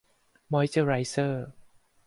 มอยส์เจอร์ไรเซอร์